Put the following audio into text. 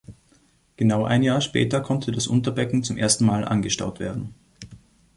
Genau ein Jahr später konnte das Unterbecken zum ersten Mal angestaut werden.